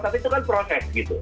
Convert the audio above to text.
tapi itu kan proses gitu